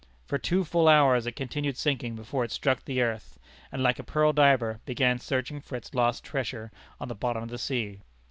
For two full hours it continued sinking before it struck the earth, and like a pearl diver, began searching for its lost treasure on the bottom of the sea.